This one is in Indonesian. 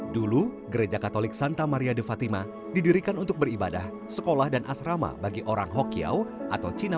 dulu gereja katolik santa maria de fatima didirikan untuk beribadah sekolah dan asrama bagi orang hokiau atau cina